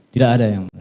tidak ada yang